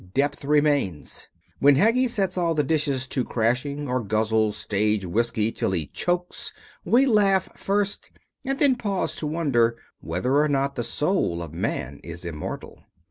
Depth remains. When Heggie sets all the dishes to crashing or guzzles stage whisky till he chokes we laugh first and then pause to wonder whether or not the soul of man is immortal.